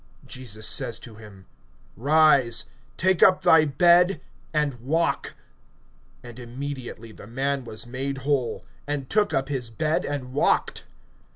(8)Jesus says to him: Rise, take up thy bed, and walk. (9)And immediately the man was made whole, and took up his bed and walked.